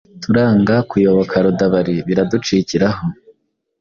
Turanga kuyoboka Rudabari biraducikiraho